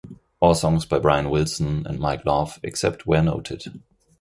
All songs by Brian Wilson and Mike Love, except where noted.